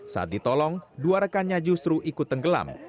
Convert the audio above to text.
saat ditolong dua rekannya justru ikut tenggelam